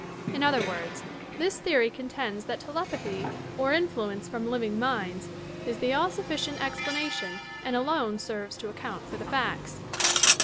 In other words, this theory contends that telepathy op influence from living minds is the all sufBcient explana tion and alone serves to account for the facta.